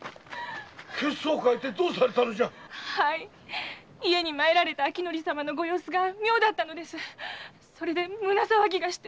血相変えてどうされたのじゃ⁉家に参られた明卿様のご様子が妙だったので胸騒ぎがして。